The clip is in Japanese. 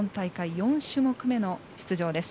４種目めの出場です。